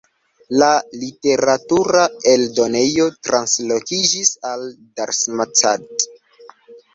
La literatura eldonejo translokiĝis al Darmstadt.